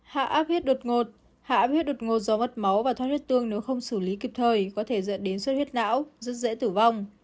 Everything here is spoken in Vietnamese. hạ áp huyết đột ngột hạ huyết đột ngột do vất máu và thoát huyết tương nếu không xử lý kịp thời có thể dẫn đến sốt huyết não rất dễ tử vong